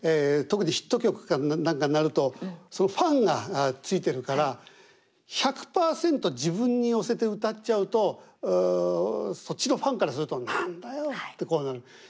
特にヒット曲か何かになるとそのファンがついてるから１００パーセント自分に寄せて歌っちゃうとそっちのファンからすると「何だよ」ってこうなる。